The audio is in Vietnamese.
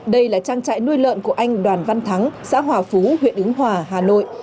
đây là trang trại nuôi lợn của anh đoàn văn thắng xã hòa phú huyện ứng hòa hà nội